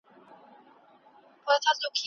افغان ډاکټران د ډیرو بهرنیو سفارتونو خدمتونه نه لري.